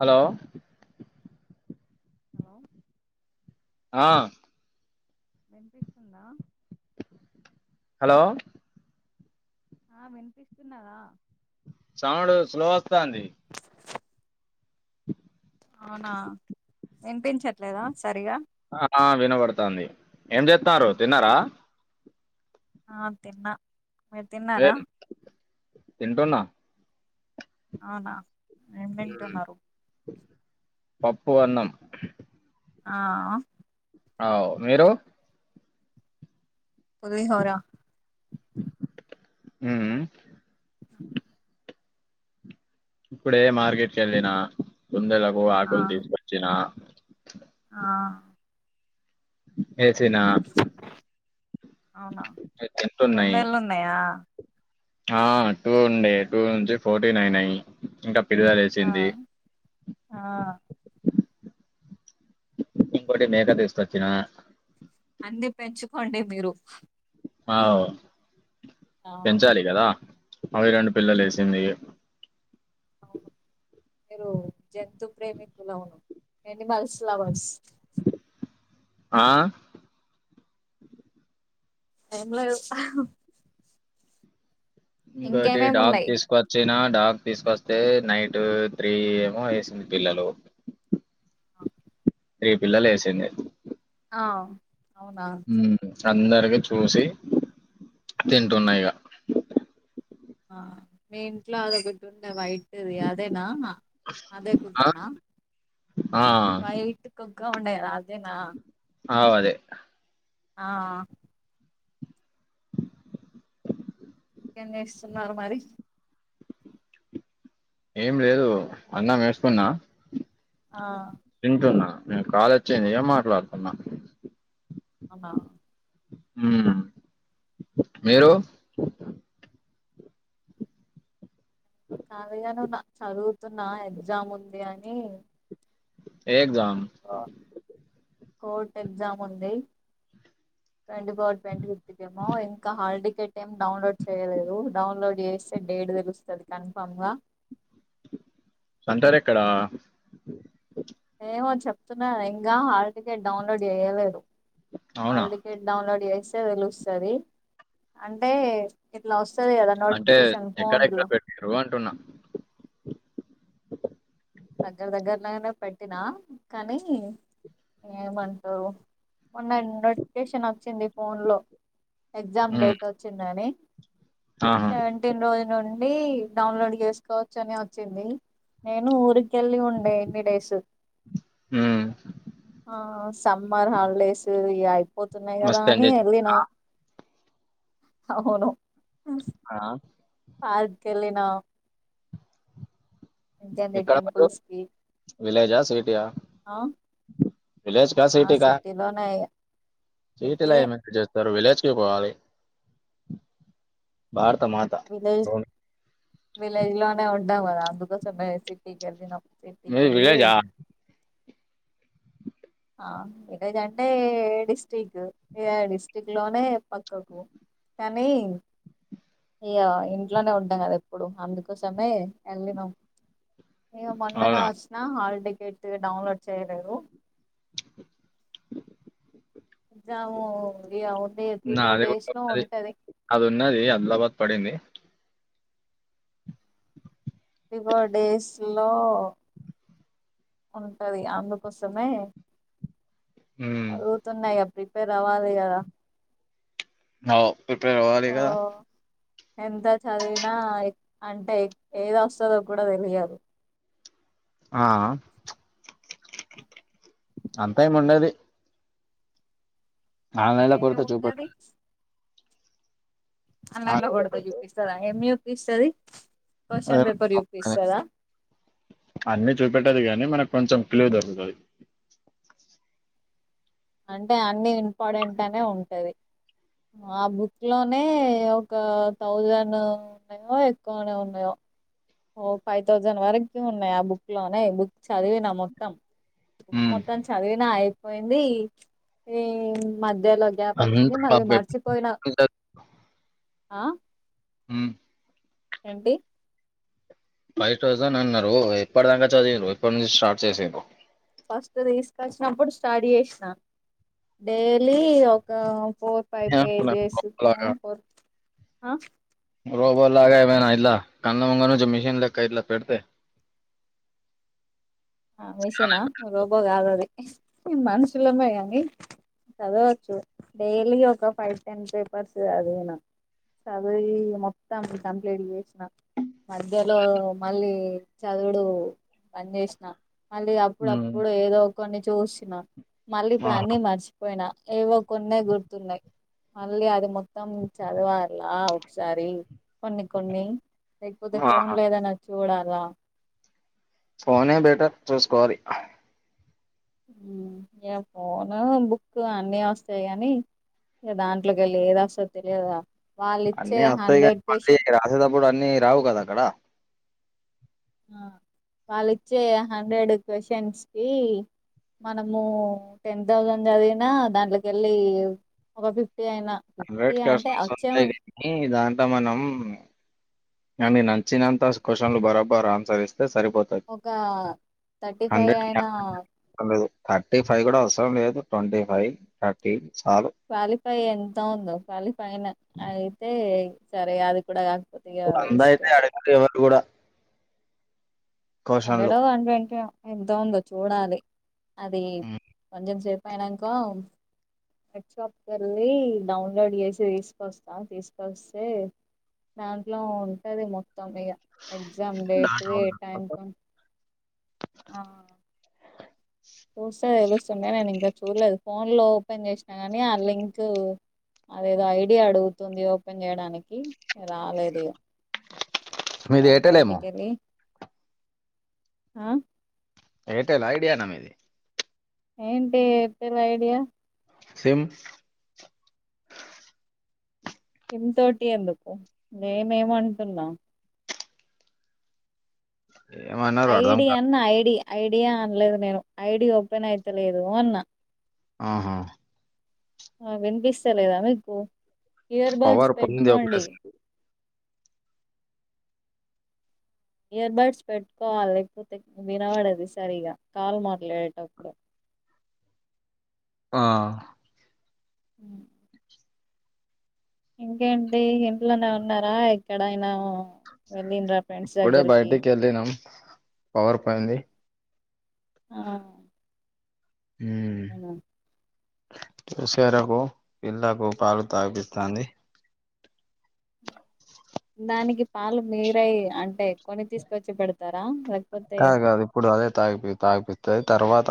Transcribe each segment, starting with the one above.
Hello hello ఆ వినిపిస్తుందా hello ఆ వినిపిస్తున్నాదా సౌండ్ స్లో వస్తా అంది అవునా వినిపించట్లేదా సరిగా ఆ వినబడుతుంది ఏం చేస్తున్నారు తిన్నారా ఆ తిన్న ఏ తిన్నటూన అవునా ఏం తింటున్నారు పప్పు ఆన్నం ఆ అ మీరు పులిహోరా మ్మ్ ఇప్పుడే మార్కెట్ కెళ్ళిన బుందెలాకు ఆ ఆకులు తీసుకొచ్చిన ఆ ఏసిన అవి అవునా తిన్నతున్నాయి కుందేళ్ళు ఉన్నాయా ఆ టూ ఉండే టూ నుంచి ఫోర్టీన్ అయినాయి ఇంకాపిల్లలు ఆ వేసింది ఆ ఇంకోటి మేక తీస్తొచ్చిన అన్ని పెంచుకోండి మీరు అ ఆ పెంచాలి కదా అవి రెండు పిల్లలు వేసింది అవును మీరు జంతు ప్రేమికులవును ఎనిమల్స్ లవర్స్ ఆ ఏంలేదు ఇంకోటి డాగ్ ఉన్నాయి తీసుకొచ్చనా డాగ్ తీసుకొస్తే నైట్ త్రీ ఏమో వేసింది పిల్లలు ఆ త్రీ పిల్లలు వేసింది ఆ అవునా అందరివి చూసి తింటున్నాయిగా ఆ మీ ఇంట్ల అదొకటి ఉండే వైట్ ఉంటది అదేనా అదే ఆ కుక్కనా ఆ వైట్ కుక్క ఉండే అదేనా అవు అదే ఆ ఇంకేం చేస్తున్నారు మరి ఏం లేదు అన్న వేసుకున్నా ఆ తింటున్నా కాల్ అచ్చింది ఇగ మాట్లాడతున్నా అవునా మ్ మీరు ఖాళీగానే ఉన్న చదువుతున్నా ఎగ్జామ్ ఉంది అని ఏ ఎగ్జామ్ కోర్ట్ ఎగ్జామ్ ఉంది ట్వంటీ ఫోర్ ట్వంటీ ఫిఫ్త్ ఏమో ఇంకా హల్ టికెట్ ఏమి డౌన్లోడ్ చేయలేదు డౌన్లోడ్ చేస్తే డేట్ తెలుస్తుంది కన్ఫామ్ సెంటర్ ఎక్కడ ఏమో చెప్తున్నా ఇంకా హల్ టికెట్ డౌన్లోడ్ చేయలేదు అవునా హల్ టికెట్ డౌన్లోడ్ చేస్ తే తెలుస్తది అంటే ఇట్లా వ స్తది కదా అంటే నోటిఫికేషన్ ఫోన్ ఎక్కడెక్కడ లో పెట్టారు అంటున్నా దగ్గర దగ్గరలనే పెట్టినా కానీ ఏమంటారు మన్న నోటిఫికేషన్ వచ్చింది ఫోన్ లో ఎగ్జామ్ మ్మ్. డేట్ వచ్చిందని ఆహా సెవెంటీన్ రోజు నుండి డౌన్లోడ్ చేసుకోవచ్చు అని వచ్చింది నేను ఊరికి కెళ్ళి ఉండే ఇన్నిడేస్ మ్మ్. ఆ సమ్మర్ హాలిడేస్ ఇ అయిపోతున్నాయి కదా మస్తు అని ఎంజాయ్ వెళ్ళిన చేశారా? అవును ఆ పార్క్ కెళ్ళిన ఎక్కడ మీరు టెంపుల్స్కి విలేజా సిటీయా ఆ విలేజ్ ఆ సిటీలోనే సీట్ సిటీ లా ఏం ఎంజాయ్ చేస్తారు విలేజ్కి పోవాలి ఆ విలేజ్ విలేజ్ లోనే ఉంటం కదా అందుకోసమే సిటీ కి వెళ్ళినము మీది విలేజా ఇకదంటే డిస్టిరిక్ట్ డిస్టిరిక్ట్ లోనే పక్కకు కానీ ఇయ్య ఇంట్లోనే ఉంటాం కదా ఎప్పుడు అందుకోసమే వెళ్ళినాం మొన్ననే అవునా వచ్చిన హాల్ టికెట్ డౌన్లోడ్ చేయలేదు ద అవు నా అది కూడా అ అది ఉన్నది అదిలాబాద్ పడింది [inaudible] బర్త్డే డేస్ లో ఉంటుంది అందుకోసమే హ్మ్ చదుగుతున్నాయా ప్రిపేర్ అవ్వాలి కదా అవు ప్రిపేర్ అవ్వాలి కదా ఓ ఎంత చదివినా అంటే ఏద వస్తుందో కూడా తెలియదు ఆ అంత ఏమి ఉండది ఆన్లైన్ లో ఏం కొడితే ఉన్నది చూపిడుతది అన్లైన్ లో ఆన్లైన్ కొడితే పెడితే చూపిస్తదా ఏమి చూప్పస్తుంది అన్ని చూపెట్టదు కానీ మన కొంచెం క్లి దొరుకుతాది అంటే అన్ని ఇంపార్టెంట్ అనే ఉంటది ఆ బుక్ లోనే ఒక థౌజండ్ ఉన్నాయో ఎక్కువనే ఉన్నాయో ఓ ఫైవ్ థౌజండ్ వరకు ఉన్నాయి ఆ బుక్ లోనే బుక్ చదివినా మొత్తం హ్మ్ మొత్తం చదివినా అయిపోయింది ఈ మధ ఇదేలో గ్యాప్ వచ్చింది అంతా మళ్ళీ మర్చిపోయిన ఆ హ ఏంటి ఫైవ్ థౌసండ్ అన్నారు ఎప్పటిదాకా చదివ్రు ఇప్పటి నుంచి స్టార్ట్ చేసిరు ఫస్ట్ తీసుకొచ్చినప్పుడు స్టడీ చేసినా డైలీ ఒక ఫోర్ ఫైవ్ నేను అనుకున్నాను పేజెస్ గొప్పలాగా ఫర్ రోబో లాగా ఏమైనా ఇట్లా కళ ముంగ నుంచి మిషన్ లెక్క ఇట్లా పెడితే ఆ మిషనా రోబో కాదుది మనుషులమ కానీ చదవచ్చు డైలీ ఒక ఫైవ్ టెన్ పేపర్స్ చదివిన చదివి మొత్తం కంప్లేట్ మధ్యలో మళ్ళీ చదువుడు బండ్ చేసిన మళ్ళీ అప్పుడప్పుడు ఏదో కొన్ని చూసిన మళ్ళీ ఇప్పుడు అన్ని మర్చిపోయిన ఏవో కొన్న గుర్తున్నాయి మళ్ళీ అది మొత్తం చదవాలాల ఒకసారి కొన్ని కొన్ని లేకపోతే ఆ ఫోన్ లో ఏదైనా చూడాలా ఫోనే బెటర్ చూసుకోవాలి ఇ ఫోను బుక్ అన్ని వస్తాయి గానీ దాంట్లోకి వెళ్ళి ఏదవస్తాది తెలియదా అన్నీ వస్తాయి కానీ మళ్ళీ రాసేటప్పుడు అన్ని రావు కదా అక్కడ ఆ వాళ్ళచ్చే హండ్రెడ్ క్వశ్చన్స్ కి మనము టెన్ థౌజండ్ చదివినా దాంట్లోకి వెళ్ళి ఒక ఫిఫ్టీ అయినా ఫిఫ్టీ హండ్రెడ్ అంటే కసంత వచ్చే దానికి మనం అనీ నచ్చినంత క్వశ్చన్లు బరాబరు ఆన్సర్ ఇస్త సరిపోతుంది ఒక థర్టీ ఫైవ్ హండ్రెడ్ కి అయినా హండ్రెడ్ లేదు [inaudible] థర్టీ ఫైవ్ కూడా అవసరం లేదు ట్వంటీ ఫైవ్ థర్టీ చాలు క్వాలిఫై ఎంత ఉందో క్వాలిఫై అయితే సరే అది కూడా కా అంద అయితే అడగి ఎవరు కూడా హండ్రెడ్ క్వశ్చన్లు వన్ ట్వంటీ ఎంత ఉందో చూడాలి అది కొంచెం సేపు పైనాక నెట్ షాప్ కి వెళ్ళి డౌన్లోడ్ చేసి తీసుకొస్తా తీసుకొస్తే దాంట్లో ఉంటది మొత్తం ఇక ఎగ్జామ్ డేట్ ఏ టైం ఆ చూస్తే చూస్తుంటే నేను ఇంకా చూడలేదు ఫోన్ లో ఓపెన్ చేసినా నీ ఆ లింక్ అదేదో ఐడియా అడుగుతుంది ఓపెన్ చేయడానికి రాలేదు క మీది ఎయిర్టెల్ ఏమో బయిటికలి ఆ ఎయిర్టెల్ ఐడియా నా మీది ఏంటి ఎయిర్టెల్ ఐడియా సిమ్ ఇ తోటి ఎందుకు నేమేమంటున్నా ఏమన్నారు అర్థం ఐడి అన్న ఐడి ఐడియా అనలేదు నేను ఐడి ఓపెన్ అయితలేదు అన్నా ఆహా ఆ వినిపిస్తలేదా మీకు ఇయర్ బడ్స్ పవర్ పోయింది పెట్టుకోండి ఒకటేసారి. ఇయర్ బడ్స్ పెట్టుకోవాలి లేకపోతే వినబడది సరిగా కాల్ మాట్లాడేటప్పుడు ఆ అ ఇంకేంటి ఇంట్లోనే ఉన్నారా ఎక్కడైనా వెళ్ళిండ్రా ఫ్రెండ్స్ ఇప్పుడే దగ్గరికి బయటికి వెళ్ళినాం పవర్ పయింది ఆ హ అవునా చూసేరకు పిల్ళ్లకు పాలు తాపిస్తుంది దానికి పాలు మీరై అంటే కొని తీసుకొచ్చి పెడతారా లేకపోతే కాదు కాదు ఇప్పుడు అదే తాగి తాగిపిస్తుంది తర్వాత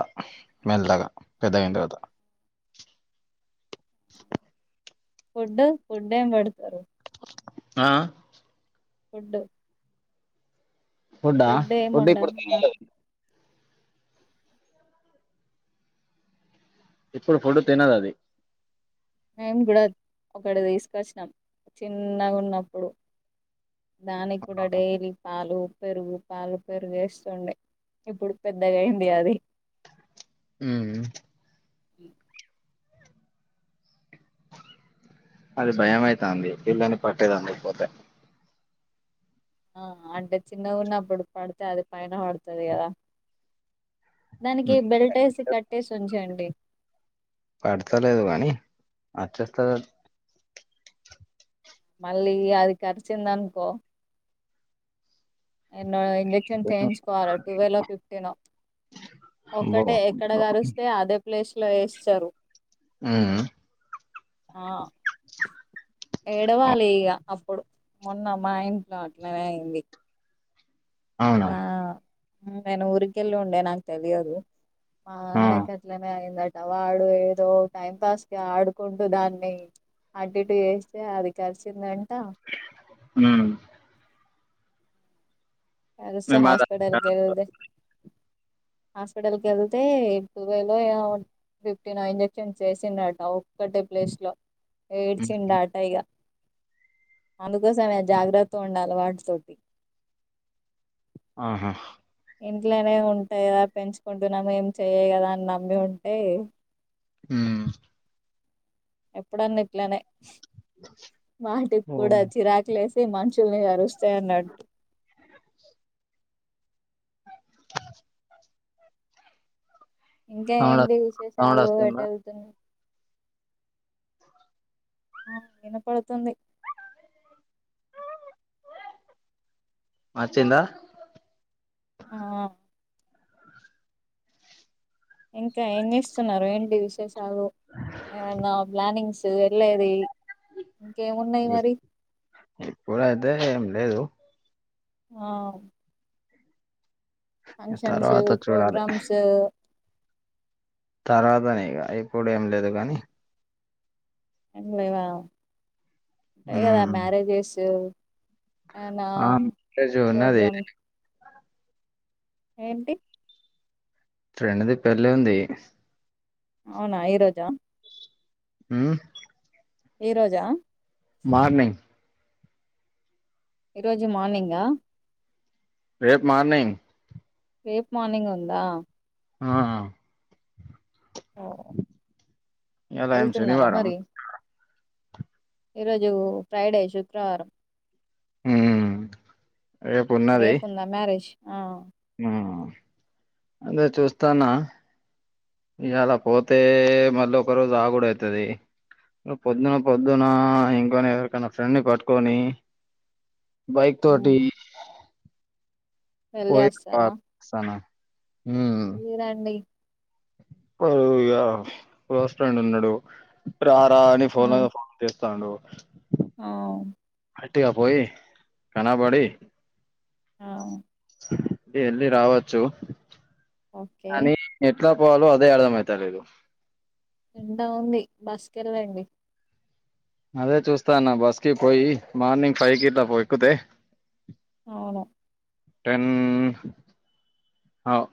మెల్లగా పెద్ద అయిన తర్వాత ఫుడ్ ఫుడ్ ఏం పెడతారు ఆ ఫుడ్ ఫుడ్ ఏం ఫుడ్ ఉండదు ఇప్పుడుతు ఆ, ఇప్పుడు ఫుడ్ తినద అది మేం కూడా ఒకటి తీసుకొచ్చినాం చిన్నగా ఉన్నప్పుడు దానికి కూడా డైరీ పాలు పెరుగు పాలు పెరుగుేస్తుండే ఇప్పుడు పెద్దగా అయింది అది హ ఈ అది భయం అైతుంది పిల్లని పట్టేది అందుక పోతే ఆ అంటే చిన్న ఉన్నప్పుడు పడితే అది పైన పడుతుంది కదా దానికి ఉమ్, బెల్ట్ వేసి కట్టేసి ఉంచండి పడతలేదు కానీ వచ్చేస్త మళ్ళీ అది కరిచిందనుకో నన్న ఇంజెక్షన్ చేయించుకోవాలి టువెల్వ్ ఫిఫ్టీన్ అబ్బో! ఒక్కటే ఎక్కడ గరిస్తే అదే ప్లేస్లో వేస్తారు ఆ ఆ ఎడవాలిక అప్పుడు ఉన్నామ్మా ఇంట్లో అట్లనే అయింది అవునా! మా నేను ఊరికెళ్ళి ఉండే నాకు తెలియదు ఆ అన్నకట్లనే అయింద వాడు ఏదో టైం పాస్ క ఆడుకుంటూ దాన్ని అటుటు చేస్తే అది కరిసిిందంట హ వసే హాస్పిటల్కిళ్ది హాస్పిటల్ క వెళ్తే ట్రావెల్ ఏ ఫిఫ్టీన్ ఇంజెక్షన్స్ చేసిండట ఒక్కటే ప్లేస్ లో హ్మ్. ఏడ్చిండ అట ఇక అందుకోసమే జాగ్రత్త ఉండాలి వాటితోటి ఆహా ఇంట్లనే ఉంటాగదా అని పెంచుకుంటే ఏం చెయ్యయి కదా అని నమ్మి ఉంటే మ్మ్ ఎప్పుడన్న ఇట్లనే వాటికి ఓ కూడా చిరాకు లేసి మంచి గా కరుస్తాయి అన్నట్డు ఇంకా సౌండ్ ఏంటి సౌండ్ విశేషాలు ఎటు వస్తుందా వెళ్తున్నారు ఆ వినపడుతుంది వచ్చిందా ఆ ఇంకా ఏం చేస్తున్నారు ఏంటి విశేషాలు ఏమన్నా ప్లానింగ్స్ కు వెళ్ళేది ఇంకేమున్నాయి మరి ఇప్పుడు అయితే ఏం లేదు ఆ ఫంక్షన్సు తర్వాత చూడాలి ప్రోగ్రామ్స్ తర్వాతనే ఇప్పుడు ఏం లేదు గానీ ఉంటాయి కదా మ్మ్ మ్యారేజెస్ ఏనా ఆ మ్యారేజ్ ఉన్నది ప్రోగ్రామ్స్ ఏంటి ఫ్రెండ్ ది పెళ్ళి ఉంది అవునా ఈరోజా మ్మ్ హ్ ఈ రోజా మార్నింగ్ ఈరోజు మార్నింగ్ రేపు మార్నింగ్ రేపు మార్నింగ్ ఉందా ఆ ఓ ఇయాల ఎం వెళ్తున్నారా శనివారం మరి ఈరోజు ఫ్రైడే శుక్రవారం హ్హ్ మ్మ్ రేపు ఉందా మ్యరేజ్ ఆ అదే చూస్తాన్నా ఇవాళ పోతే మళ్ళీ ఒక రోజు ఆగుడు అయితది పొద్దున పొద్దున ఇంకొ ఎవరికన్నా ఫ్రెండ్ ని పట్టుకొని బైక్ తోటి మ్మ్ వెళ్ళి పోయి వస్తారా వెళ్ళిరండి వాడు ఇగ బస్టాండ్ లో ఉన్నాడు రా రా అని ఆ పోన్ల మీద పోన్లు చేస్తండు ఆ వట్టిగా పోయి కనబడి హా ఎళ్ళి రావచ్చు ఒకే అని ఎట్లా పోవలో అదే అర్ధం అయితలేదు ఎండ ఉంది బస్ కే వెళ్ళండి అదే చూస్తాన్న బస్ కి పోయి మార్నింగ్ ఫైవ్ కిలా పోయి ఎక్కితే అవును టెన్